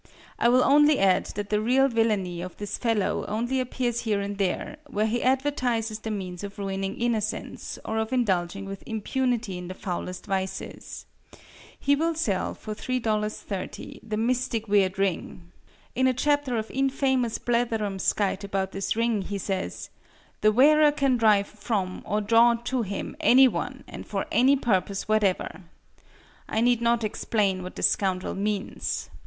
I will only add that the real villainy of this fellow only appears here and there, where he advertises the means of ruining innocence, or of indulging with impunity in the foulest vices. He will sell for $3.30, the "Mystic Weird Ring." In a chapter of infamous blatherumskite about this ring he says: "The wearer can drive from, or draw to him, any one, and for any purpose whatever." I need not explain what this scoundrel means.